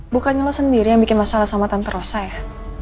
bukannya lo sendiri yang bikin masalah sama tante rosai